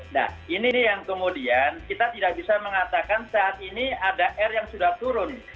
nah ini yang kemudian kita tidak bisa mengatakan saat ini ada r yang sudah turun